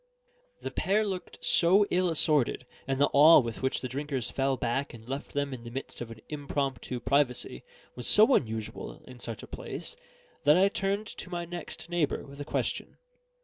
The pair looked so ill assorted, and the awe with which the drinkers fell back and left them in the midst of an impromptu privacy was so unusual in such a place, that I turned to my next neighbour with a question.